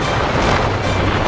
aku akan menang